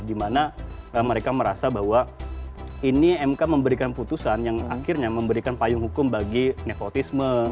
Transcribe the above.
dimana mereka merasa bahwa ini mk memberikan putusan yang akhirnya memberikan payung hukum bagi nepotisme